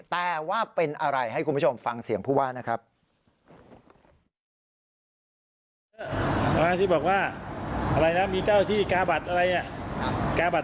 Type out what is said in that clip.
แต่ว่าเป็นอะไรให้คุณผู้ชมฟังเสียงผู้ว่านะครับ